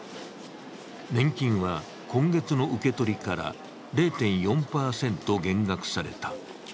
年金は今月の受け取りから０．４％減額された。